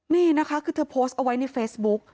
นี่นะคะคือเธอโพสต์เอาไว้ในเฟซบุ๊ก